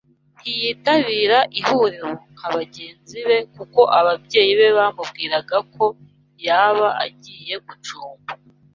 Ntiyitabira ihuriro nka bagenzi be kuko ababyeyi be bamubwiraga ko yaba agiye gucumba